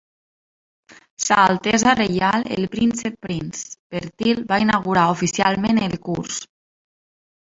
Sa Altesa Reial el Príncep Prince Bertil va inaugurar oficialment el curs.